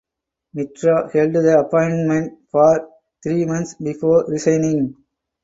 Mitra held the appointment for three months before resigning.